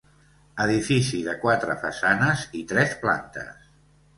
Edifici de quatre façanes i tres plantes.